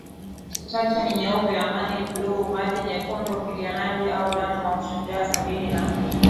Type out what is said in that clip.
chache ni nyeupe amani bluu maji nyekundu mpiganaji au damu au shujaa Sabini na